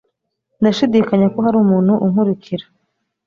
Ndashidikanya ko hari umuntu unkurikira.